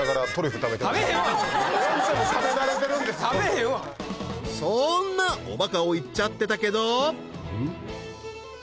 食べへんわそんなおバカを言っちゃってたけどん？